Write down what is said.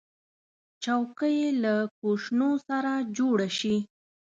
چوکۍ له کوشنو سره جوړه شي.